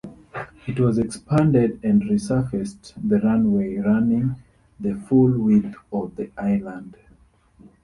It was expanded and resurfaced, the runway running the full width of the island.